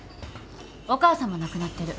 お母さんも亡くなってる。